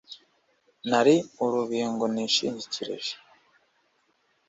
Nari urubingo nishingikirije